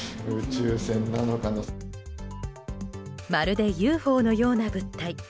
まるでＵＦＯのような物体。